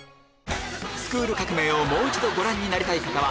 『スクール革命！』をもう一度ご覧になりたい方は